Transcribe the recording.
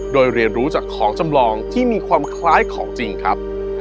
โดยเรียนรู้จากของจำลองที่มีความคล้ายของจริงครับ